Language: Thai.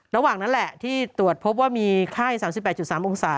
ระหว่างนั้นแหละที่ตรวจพบว่ามีไข้๓๘๓องศา